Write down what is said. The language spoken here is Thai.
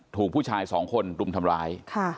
ถูกผู้ชายสองคนรุมทำร้าย